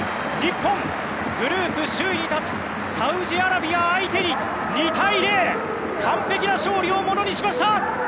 日本、グループ首位に立つサウジアラビア相手に２対０、完璧な勝利をものにしました！